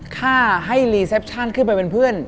ค่าให้รีเซปชั่นขึ้นไปเป็นเพื่อน